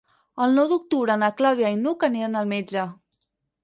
El nou d'octubre na Clàudia i n'Hug aniran al metge.